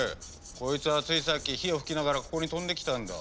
こいつはついさっき火を噴きながらここに飛んできたんだ。